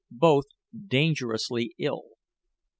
Both dangerously ill.